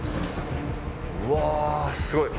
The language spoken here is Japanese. うわすごい。